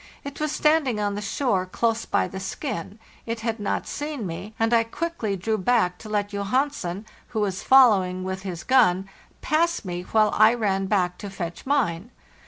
It was standing on the shore close by the skin. It had not seen me, and I quickly drew back to let Johansen, who was following with his gun, pass me, while I ran back to fetch mine.